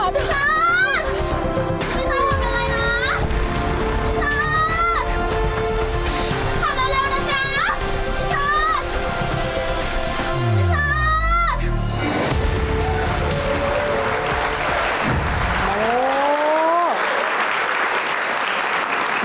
พี่เชิญ